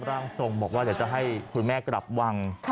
ร่างทรงบอกว่าเดี๋ยวจะให้คุณแม่กลับวัง